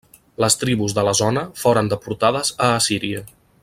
Les tribus de la zona foren deportades a Assíria.